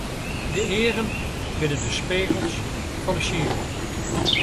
De eagen binne de spegels fan 'e siel.